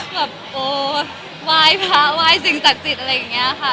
แบบโอ้วายพระวายสิ่งจักรจิตอะไรอย่างนี้ค่ะ